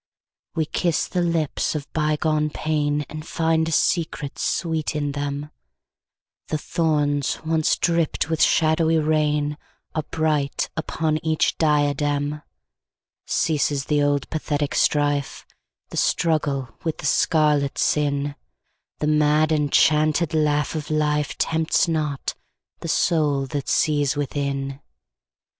We kiss the lips of bygone painAnd find a secret sweet in them:The thorns once dripped with shadowy rainAre bright upon each diadem. Ceases the old pathetic strife, The struggle with the scarlet sin:The mad enchanted laugh of lifeTempts not the soul that sees within.